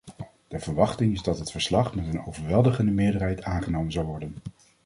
De verwachting is dat het verslag met een overweldigende meerderheid aangenomen zal worden.